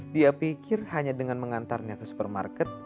dia pikir hanya dengan mengantarnya ke supermarket